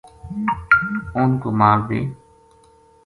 ان کو مال بے